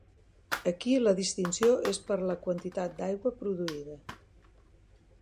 Aquí la distinció és per la quantitat d'aigua produïda.